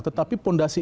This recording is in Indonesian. tetapi pondasi ini